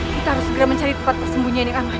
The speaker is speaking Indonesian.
kita harus segera mencari tempat tersembunyi yang aman